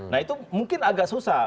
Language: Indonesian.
nah itu mungkin agak susah